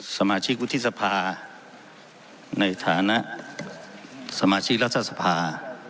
สมาชิกวุฒิสภาในฐานะสมาชิกรัฐสภา